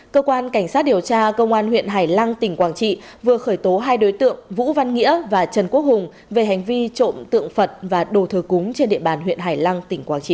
cơ quan cảnh sát điều tra công an huyện hải lăng tỉnh quảng trị vừa khởi tố hai đối tượng vũ văn nghĩa và trần quốc hùng về hành vi trộm tượng phật và đồ thờ cúng trên địa bàn huyện hải lăng tỉnh quảng trị